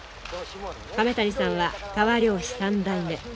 亀谷さんは川漁師３代目。